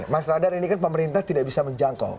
mas radar ini kan pemerintah tidak bisa menjangkau